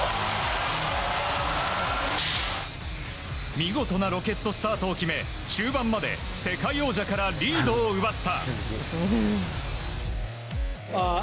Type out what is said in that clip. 見事なロケットスタートを決め中盤まで世界王者からリードを奪った。